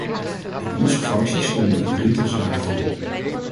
In onze fractie stonden een drietal zaken voorop.